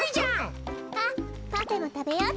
あっパフェもたべよっと。